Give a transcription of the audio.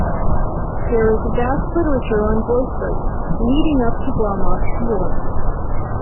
There is a vast literature on growth rates, leading up to Gromov's theorem.